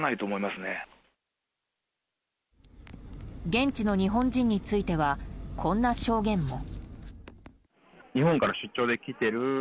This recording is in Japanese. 現地の日本人についてはこんな証言も。